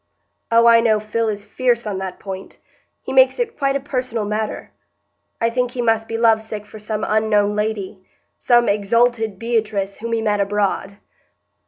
"Oh, I know Phil is fierce on that point; he makes it quite a personal matter. I think he must be love sick for some unknown lady,—some exalted Beatrice whom he met abroad."